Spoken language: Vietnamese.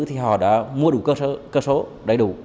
thì họ đã mua đủ cơ số đầy đủ